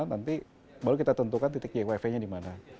nanti baru kita tentukan titiknya wifi di mana